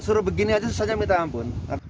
suruh begini aja susahnya minta ampun